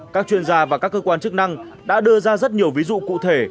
các chuyên gia và các cơ quan chức năng đã đưa ra rất nhiều ví dụ cụ thể